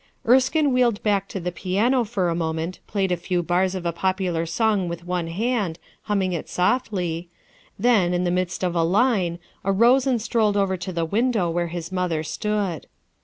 Erskine wheeled back to the piano for a mo ment, played a few bars of a popular song with one hand, humming it softly ; then, in the midst of a line, arose and strolled over to the window where his mother stood.